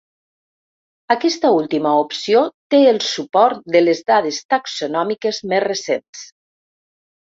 Aquesta última opció té el suport de les dades taxonòmiques més recents.